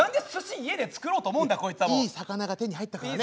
いい魚が手に入ったからね。